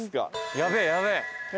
やべえやべえ。